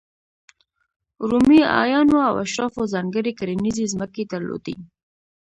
رومي اعیانو او اشرافو ځانګړې کرنیزې ځمکې درلودې.